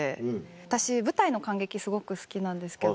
私舞台の観劇すごく好きなんですけど。